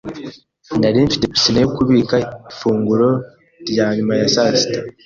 Nari mfite pisine yo kubika ifunguro rya nyuma ya saa sita.